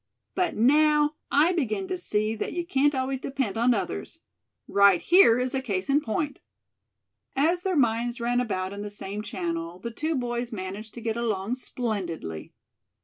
But now I begin to see that you can't always depend on others. Right here is a case in point." As their minds ran about in the same channel the two boys managed to get along splendidly.